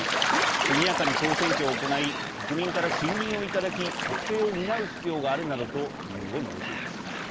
速やかに総選挙を行い国民から信任をいただき国政を担う必要がある」などと理由を述べています。